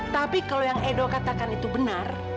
tapi kalau yang edo katakan itu benar